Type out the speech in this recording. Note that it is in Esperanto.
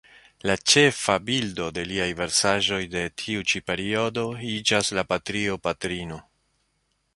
La ĉefa bildo de liaj versaĵoj de tiu ĉi periodo iĝas la Patrio-patrino.